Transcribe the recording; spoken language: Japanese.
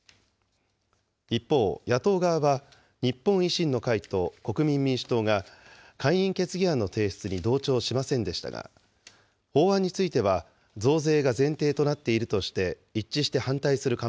一方、野党側は日本維新の会と国民民主党が、解任決議案の提出に同調しませんでしたが、法案については増税が前提となっているとして一致して反対する構